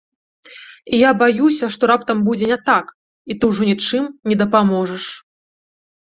І я баюся, што раптам будзе не так, і ты ўжо нічым не дапаможаш.